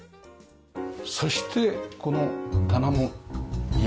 そしてこの棚も余白で。